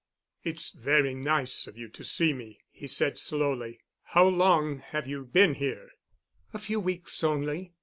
"It's very nice of you to see me," he said slowly. "How long have you been here?" "A few weeks only.